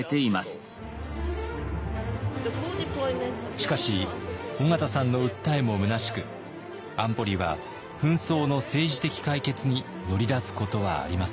しかし緒方さんの訴えもむなしく安保理は紛争の政治的解決に乗り出すことはありませんでした。